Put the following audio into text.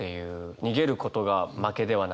逃げることが負けではない。